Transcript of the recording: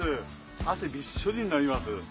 あせびっしょりになります。